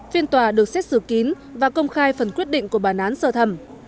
phiên tòa được xét xử kín và công khai phần quyết định của bản án sơ thẩm